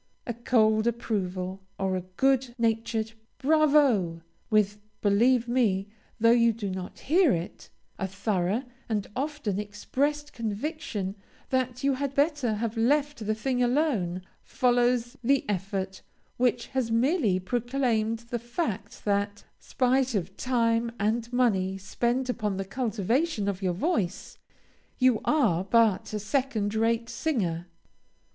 A cold approval, or a good natured "bravo!" with, believe me, though you do not hear it, a thorough, and, often, expressed conviction that you had better have left the thing alone, follows the effort which has merely proclaimed the fact that, spite of time and money spent upon the cultivation of your voice, you are but a second rate singer.